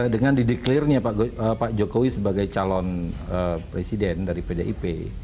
dengan dideklirnya pak jokowi sebagai calon presiden dari pdip